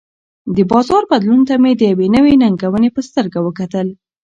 د بازار بدلون ته مې د یوې نوې ننګونې په سترګه وکتل.